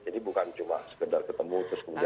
jadi bukan cuma sekedar ketemu terus kemudian seolah olah